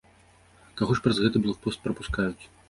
Каго ж праз гэты блок-пост прапускаюць?